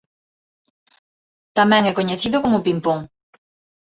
Tamén é coñecido como pimpón.